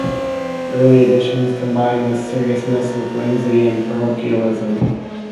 Early editions combine this seriousness with whimsy and parochialism.